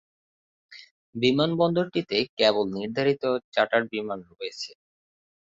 বিমানবন্দরটিতে কেবল নির্ধারিত চার্টার্ড বিমান রয়েছে।